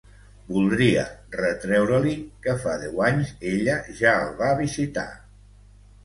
Voldria retreure-li que fa deu anys ella ja el va visitar.